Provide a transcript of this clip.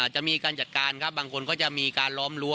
จะมีการจัดการครับบางคนก็จะมีการล้อมรั้